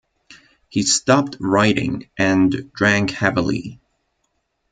He stopped writing and drank heavily.